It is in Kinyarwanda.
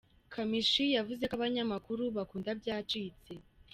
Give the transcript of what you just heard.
Kamishi yavuze ko abanyamakuru bakunda ‘Byacitse’